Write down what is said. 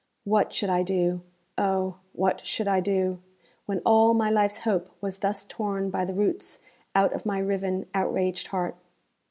What should I do oh! what should I do when all my life's hope was thus torn by the roots out of my riven, outraged heart?